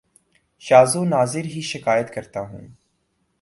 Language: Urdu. شاز و ناذر ہی شکایت کرتا ہوں